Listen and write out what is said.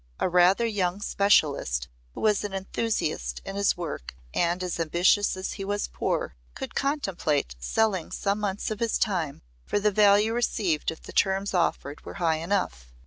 A rather young specialist who was an enthusiast in his work and as ambitious as he was poor, could contemplate selling some months of his time for value received if the terms offered were high enough.